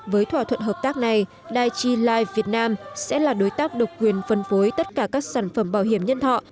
với thỏa thuận hợp tác này diti life việt nam sẽ là đối tác độc quyền phân phối tất cả các sản phẩm bảo hiểm nhân thọ